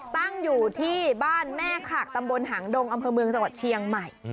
ตั้งอยู่ที่บ้านแม่ขากตำบลหางดงอำเภอเมืองจังหวัดเชียงใหม่